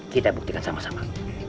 kita buktikan sama sama